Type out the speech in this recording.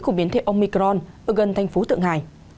của biến thể omicron ở gần thành phố tượng hải